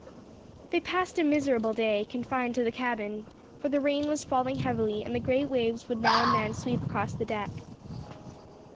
They passed a miserable day, confined to the cabin, for the rain was falling heavily and the great waves would now and then sweep across the deck.